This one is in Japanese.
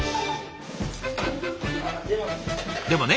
でもね